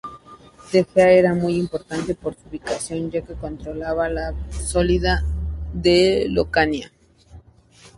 Tegea era muy importante por su ubicación ya que controlaba la salida de Laconia.